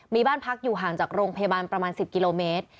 มีบ้านพักอยู่ห่างจากโรงพยาบาลประมาณ๑๐กิโลเมตร